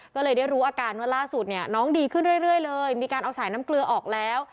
ก็เลยได้รู้อาการว่าล่าสุดเนี่ยน้องดีขึ้นเรื่อยเลยมีการเอาสายน้ำเกลือออกแล้ว